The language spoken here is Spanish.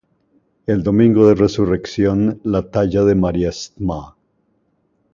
El Domingo de Resurrección, la Talla de Mª Stma.